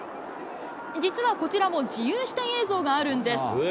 実はこちらも自由視点映像があるんです。